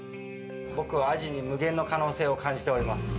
僕はアジに無限の可能性を感じております。